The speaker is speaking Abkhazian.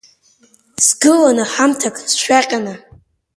Сгылан ҳамҭак сшәаҟьаны.